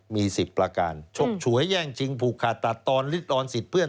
มี๑๐ประการชกฉวยแย่งชิงผูกขาดตัดตอนลิดรอนสิทธิ์เพื่อน